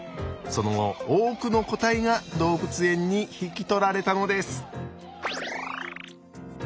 その後多くの個体が動物園に引き取られたのです。